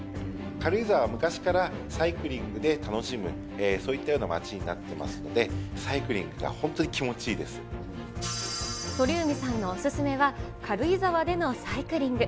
軽井沢は昔からサイクリングで楽しむ、そういったような街になってますので、サイクリングが本当に気持鳥海さんのお勧めは、軽井沢でのサイクリング。